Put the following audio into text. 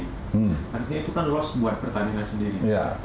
harusnya itu kan los buat pertamina sendiri